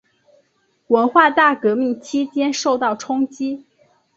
文化大革命期间受到冲击。